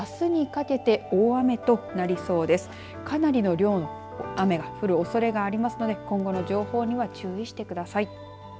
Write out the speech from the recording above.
かなりの量の雨が降るおそれがありますので今後の情報には注意してください。